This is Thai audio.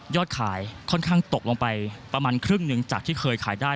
ขายค่อนข้างตกลงไปประมาณครึ่งหนึ่งจากที่เคยขายได้